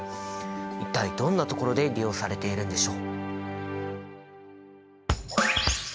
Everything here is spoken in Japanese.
一体どんなところで利用されているんでしょう？